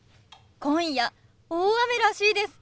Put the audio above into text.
今夜大雨らしいです。